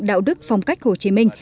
đạo đức phong cách hồ chí minh